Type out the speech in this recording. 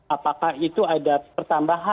apakah itu berhasil